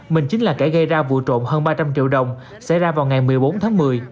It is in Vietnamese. mình chính là kẻ gây ra vụ trộm hơn ba trăm linh triệu đồng xảy ra vào ngày một mươi bốn tháng một mươi